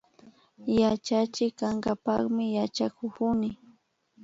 Yachachik kankapakmi yachakukuni